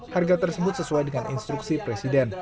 harga tersebut sesuai dengan instruksi presiden